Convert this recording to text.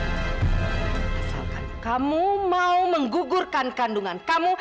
asalkan kamu mau menggugurkan kandungan kamu